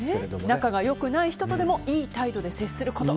仲が良くない人とでもいい態度で接すること。